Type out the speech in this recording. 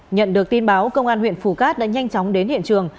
nhận được tin báo công an huyện phù cát đã nhanh chóng đến hiện trường